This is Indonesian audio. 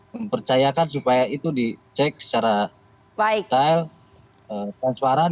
mempercayakan supaya itu dicek secara detail transparan